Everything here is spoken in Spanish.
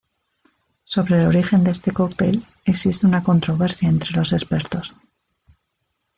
Sobre el origen de este cóctel existe una controversia entre los expertos.